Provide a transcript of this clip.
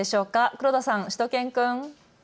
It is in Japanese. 黒田さん、しゅと犬くん。